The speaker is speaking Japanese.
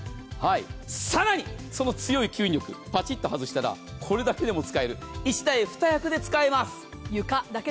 更に、その強い吸引力、パチッと外したらこれだけでも使える、１台２役で使えます。